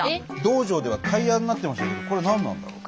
道場ではタイヤになってましたけどこれ何なんだろう？